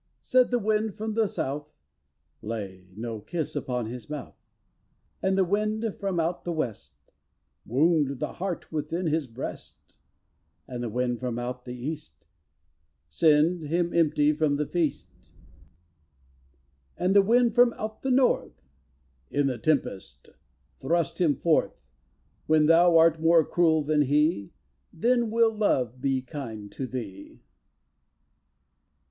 Said the wind from out the south, "Lay no kiss upon his mouth," And the wind from out the west, "Wound the heart within his breast," And the wind from out the east, "Send him empty from the feast," And the wind from out the north, "In the tempest thrust him forth; When thou art more cruel than he, Then will Love be kind to thee."